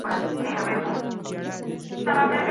سیاسي بندیان د ډیرو بهرنیو سفارتونو خدمتونه نه لري.